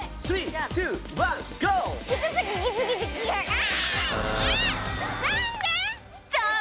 あ。